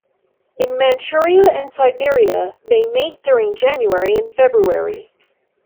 In Manchuria and Siberia, they mate during January and February.